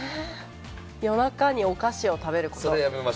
夜中にお菓子を食べること。